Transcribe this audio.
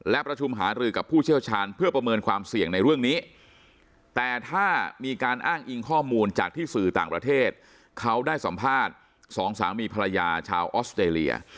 และประชุมหารือกับผู้เชี่ยวชาญเพื่อประเมินความเสี่ยงในเรื่องนี้